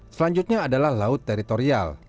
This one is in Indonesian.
selanjutnya adalah laut teritorial